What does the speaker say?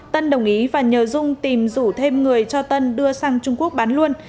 tân đồng ý và nhờ dung tìm rủ thêm người cho tân đưa sang trung quốc bán luôn